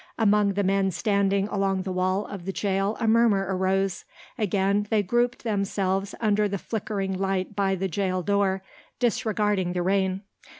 Among the men standing along the wall of the jail a murmur arose. Again they grouped themselves under the flickering light by the jail door, disregarding the rain.